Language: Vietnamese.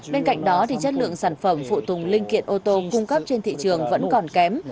bên cạnh đó chất lượng sản phẩm phụ tùng linh kiện ô tô cung cấp trên thị trường vẫn còn kém